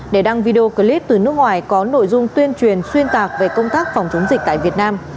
để đăng video clip từ nước ngoài có nội dung tuyên truyền xuyên tạc về công tác phòng chống dịch tại việt nam